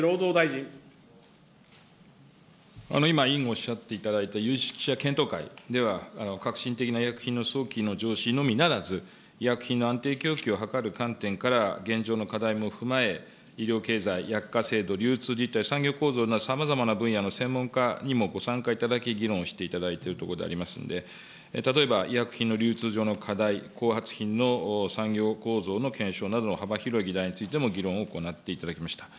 今、委員おっしゃっていただいた有識者検討会では、革新的な医薬品の早期の増進のみならず、医薬品の安定供給を図る観点から現状を踏まえ医療経済、薬価制度流通産業構造さまざまな専門家にご参加いただき、議論していただいているところでございますので、例えば、医薬品の流通上の課題、後発品の産業構造の検証などの幅広い議題についての議論を行っていただきました。